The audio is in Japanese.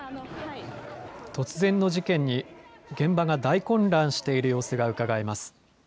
突然の事件に現場が大混乱している様子がうかがえます。